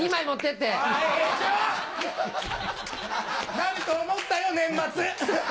なると思ったよ年末！